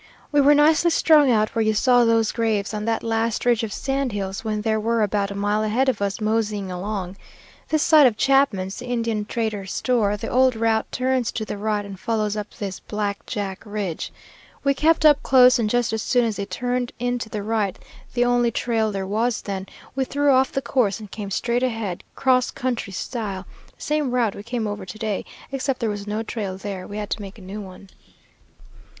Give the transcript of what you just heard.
We were nicely strung out where you saw those graves on that last ridge of sand hills, when there they were about a mile ahead of us, moseying along. This side of Chapman's, the Indian trader's store, the old route turns to the right and follows up this black jack ridge. We kept up close, and just as soon as they turned in to the right, the only trail there was then, we threw off the course and came straight ahead, cross country style, same route we came over to day, except there was no trail there; we had to make a new one.